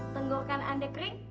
tenggorkan anda kering